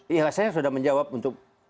iya saya sudah menjawab untuk